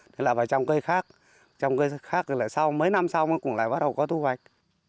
thế là phải trồng cây khác trồng cây khác là sau mấy năm sau cũng lại bắt đầu có thu hoạch